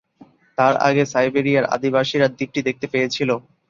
তার আগে সাইবেরিয়ার আদিবাসীরা দ্বীপটি দেখতে পেয়েছিল।